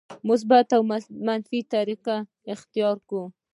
مثبته یا منفي طریقه اختیار کوو.